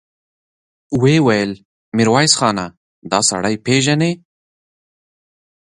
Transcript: ويې ويل: ميرويس خانه! دآسړی پېژنې؟